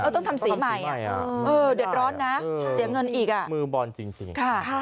ต้องทำสีใหม่อ่ะมันไม่ได้อ่ะใช่ค่ะมือบอลจริง